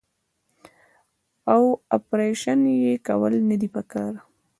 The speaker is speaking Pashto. او اپرېشن ئې کول نۀ دي پکار -